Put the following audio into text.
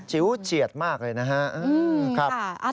ชิวเฉียดมากเลยนะฮะ